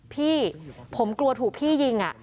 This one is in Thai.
พี่ผมกลัวถูกพี่ยิง